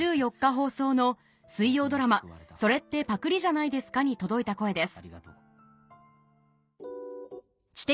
放送の水曜ドラマ『それってパクリじゃないですか？』に届いた声です